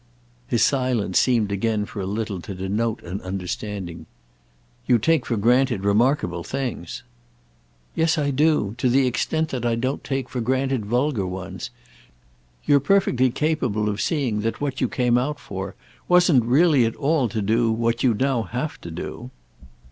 His silence seemed again for a little to denote an understanding. "You take for granted remarkable things." "Yes, I do—to the extent that I don't take for granted vulgar ones. You're perfectly capable of seeing that what you came out for wasn't really at all to do what you'd now have to do."